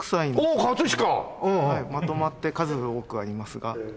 おおっまとまって数多くありますが。